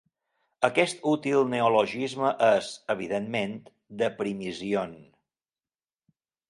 Aquest útil neologisme és, evidentment, "deprimisión".